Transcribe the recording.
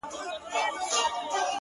كله وي خپه اكثر ـ